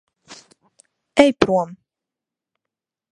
Ej prom.